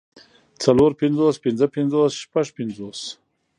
څلور پنځوس پنځۀ پنځوس شپږ پنځوس